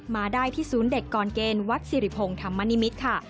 มาได้ที่ศูนย์เด็กก่อนเกณฑ์วัดสิริพงศ์ธรรมนิมิตรค่ะ